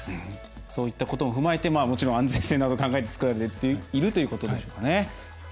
そういったことも踏まえてもちろん安全性など考えてつくられているということでしょうかね。